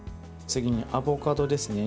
次にアボカドですね。